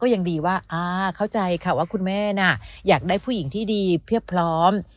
ยังดีว่าเข้าใจค่ะว่าคุณแม่น่ะอยากได้ผู้หญิงที่ดีเพียบพร้อม